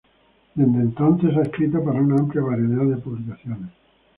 Desde entonces, ha escrito para una amplia variedad de publicaciones.